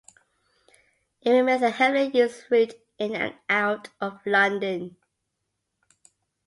It remains a heavily used route in and out of London.